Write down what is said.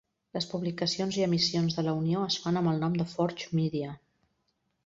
Les publicacions i emissions de la unió es fan amb el nom de Forge Media.